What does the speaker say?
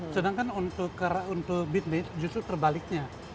sedangkan untuk bisnis justru terbaliknya